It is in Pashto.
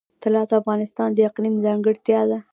طلا د افغانستان د اقلیم ځانګړتیا ده.